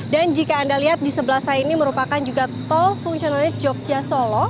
dan jika anda lihat di sebelah saya ini merupakan juga tol fungsionalnya jogja solo